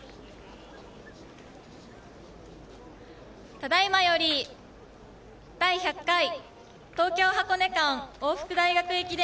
ただいまより第１００回東京箱根間往復大学駅伝